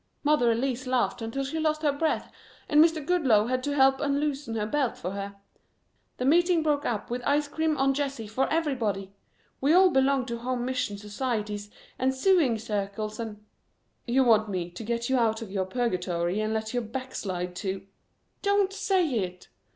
Mother Elsie laughed until she lost her breath and Mr. Goodloe had to help unloosen her belt for her. The meeting broke up with ice cream on Jessie for everybody. We all belong to home mission societies and sewing circles and " "You want me to get you out of your purgatory and let you backslide to " "Don't say it!"